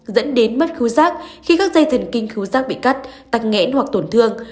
dẫn đến mất khứ giác khi các dây thần kinh khứ giác bị cắt tặc nghẽn hoặc tổn thương